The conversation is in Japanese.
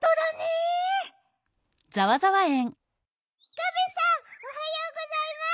ガメさんおはようございます。